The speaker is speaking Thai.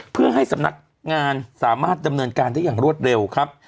เพื่อให้สำนักงานสามารถดำเนินการได้อย่างรวดเร็วครับ